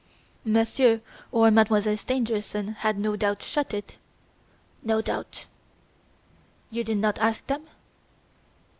"Monsieur or Mademoiselle Stangerson had, no doubt, shut it?" "No doubt." "You did not ask them?"